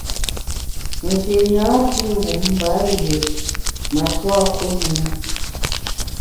Nji napi wum mba yié matua kum i na.